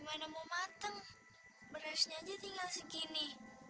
kamu bantu teteh yang angkat ibu